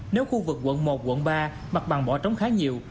nếu khu vực quận một quận ba mặt bằng bỏ trống khá nhiều